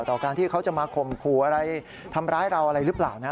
ต่อการที่เขาจะมาข่มขู่อะไรทำร้ายเราอะไรหรือเปล่านะ